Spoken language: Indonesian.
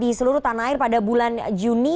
di seluruh tanah air pada bulan juni